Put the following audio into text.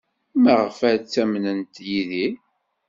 Maɣef ay ttamnent Yidir?